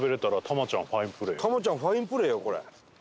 玉ちゃんファインプレーよこれ。